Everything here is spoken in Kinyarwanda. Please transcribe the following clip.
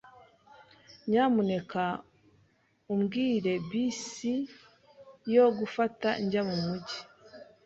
Nyamuneka umbwire bisi yo gufata njya mumujyi.